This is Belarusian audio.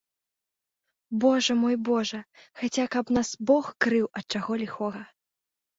Божа мой, божа, хаця каб нас бог крыў ад чаго ліхога.